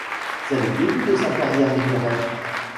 C’est le début de sa carrière littéraire.